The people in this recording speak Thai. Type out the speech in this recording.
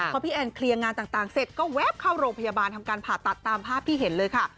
พอพี่แอนเคลียร์งานต่างเสร็จก็แวบเข้าโรงพยาบาลทำการผ่าตัดตามภาพที่เห็นเลยค่ะ